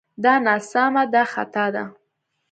دا ناسمه دا خطا ده